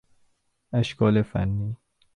اشکال فنی